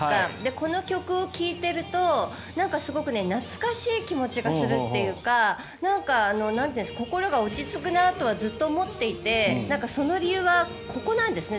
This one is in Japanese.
この曲を聴いているとすごく懐かしい気持ちがするというかなんか心が落ち着くなとはずっと思っていてその理由はここなんですね。